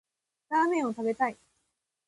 ラーメンを食べたい。